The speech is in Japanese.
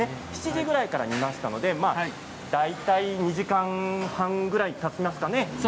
７時ぐらいから煮ましたので大体２時間半ぐらいたちますかね。